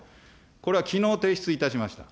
これはきのう提出いたしました。